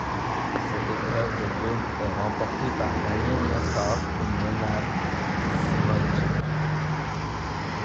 Cette épreuve de double est remportée par Daniel Nestor et Nenad Zimonjić.